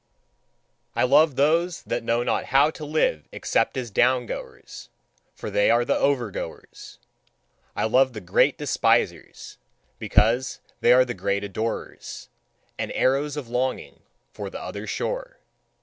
I love those that know not how to live except as down goers, for they are the over goers. I love the great despisers, because they are the great adorers, and arrows of longing for the other shore.